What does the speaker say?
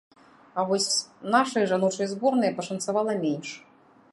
А вось нашай жаночай зборнай пашанцавала менш.